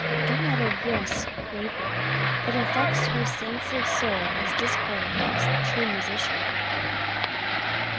Don't let her hear us scrapping. It effects her sensitive soul as discord effects a true musician."